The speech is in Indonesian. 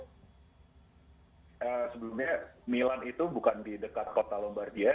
sebelumnya milan itu bukan di dekat kota lombardia